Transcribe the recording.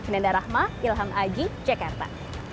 nanda rahma ilham aji jakarta